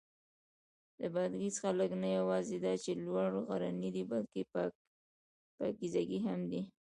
د بادغیس خلک نه یواځې دا چې لوړ غرني دي، بلکې پاکیزګي هم دي.